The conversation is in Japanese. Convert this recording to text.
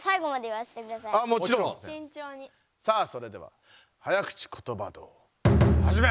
さあそれでは早口ことば道はじめ！